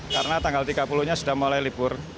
karena tanggal tiga puluh nya sudah mulai libur